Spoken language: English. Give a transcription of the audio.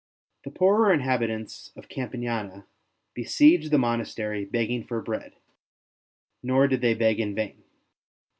The poorer inhabitants of Campania be sieged the monastery begging for bread; nor did they beg in vain.